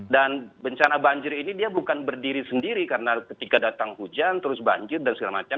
dan bencana banjir ini dia bukan berdiri sendiri karena ketika datang hujan terus banjir dan segala macam